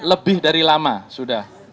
lebih dari lama sudah